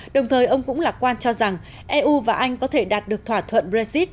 đồng thời ông cũng lạc quan cho rằng eu và anh có thể đạt được thỏa thuận brexit